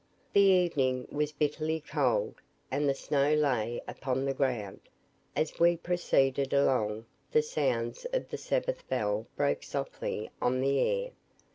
The evening was bitterly cold, and the snow lay upon the ground. As we proceeded along, the sounds of the Sabbath bell broke softly on the air.